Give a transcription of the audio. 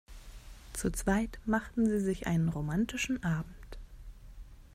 Zu zweit machten sie sich einen romantischen Abend.